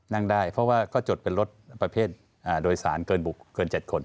นั่งได้เพราะว่าก็จดเป็นรถประเภทโดยสารเกินบุกเกิน๗คน